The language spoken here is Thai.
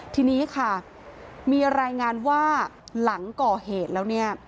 ทีนี้ค่ะมีรายงานว่าหลังก่อเหตุแล้วเนี่ย